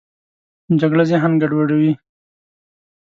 جګړه ذهن ګډوډوي